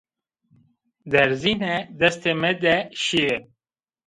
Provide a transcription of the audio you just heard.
Derzîne destê mi de şîye